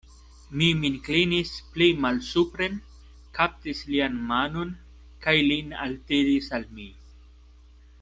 Mi min klinis pli malsupren, kaptis lian manon kaj lin altiris al mi.